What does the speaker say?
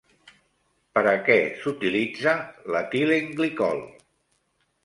Per a què s'utilitza l'etilenglicol?